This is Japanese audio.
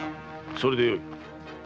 それでよい。